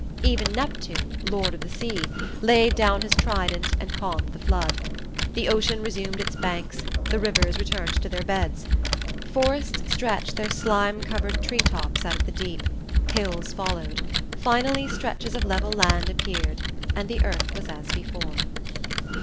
Even Neptune, lord of the sea, laid down his trident and calmed the flood. The ocean resumed its banks; the rivers returned to their beds; forests stretched their slime covered tree tops out of the deep; hills followed; finally stretches of level land appeared and the earth was as before.